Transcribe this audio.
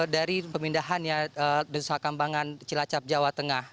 dari pemindahan ya desa kembangan cilacap jawa tengah